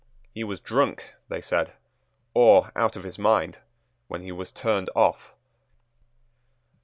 He was drunk, they said, or out of his mind, when he was turned off.